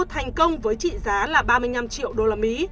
thành công với trị giá là ba mươi năm triệu usd